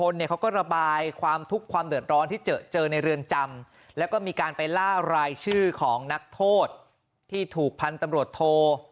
แล้วก็ระบายความทุกข์ความเดือดร้อนที่เจอในเรือนจำแล้วก็มีการไปล่ารายชื่อของนักโทษที่ถูกพันธุ์ตำรวจโท